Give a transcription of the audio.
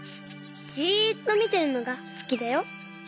じっとみてるのがすきだよ。